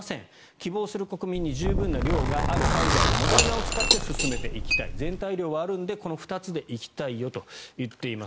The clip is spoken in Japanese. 希望する国民に十分な量があるファイザーとモデルナを使って進めていきたい全体量はあるのでこの２つで行きたいよと言っています。